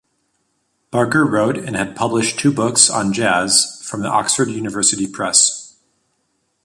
Barker wrote and had published two books on jazz from the Oxford University Press.